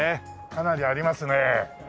かなりありますねえ。